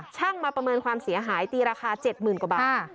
ช่างมาประเมินความเสียหายตีราคา๗๐๐กว่าบาท